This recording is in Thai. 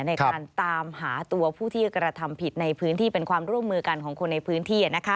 ในการตามหาตัวผู้ที่กระทำผิดในพื้นที่เป็นความร่วมมือกันของคนในพื้นที่